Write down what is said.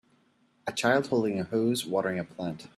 A child holding a hose watering a plant.